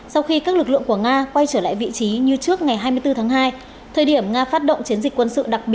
sau khi các lực lượng của nga quay trở lại vị trí như trước ngày hai mươi bốn tháng hai thời điểm nga phát động chiến dịch quân sự đặc biệt